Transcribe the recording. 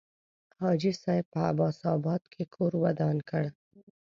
حاجي صاحب په عباس آباد کې کور ودان کړ.